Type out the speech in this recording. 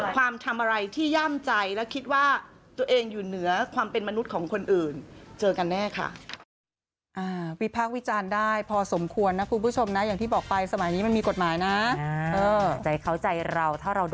ความทำอะไรที่ย่ำใจและคิดว่าตัวเองอยู่เหนือความเป็นมนุษย์ของคนอื่นเจอกันแน่ค่ะ